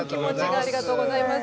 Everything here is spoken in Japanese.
ありがとうございます。